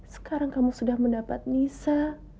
sekarang kamu sudah mendapat nisa